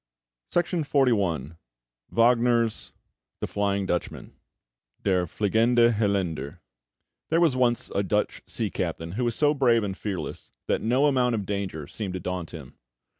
[Illustration: WAGNER] THE FLYING DUTCHMAN (Der Fliegende Holländer) There was once a Dutch sea captain who was so brave and fearless that no amount of danger seemed to daunt him.